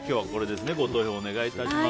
ご投票お願いします。